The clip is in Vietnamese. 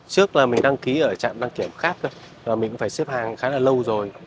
trước là mình đăng ký ở trạm đăng kiểm khác và mình cũng phải xếp hàng khá là lâu rồi